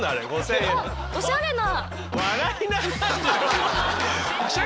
おしゃれな。